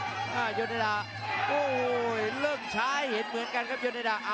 หน้ายนิดหน้าโอ้โหเลิกช้ายเห็นเหมือนกันครับยนต์นิดหน้า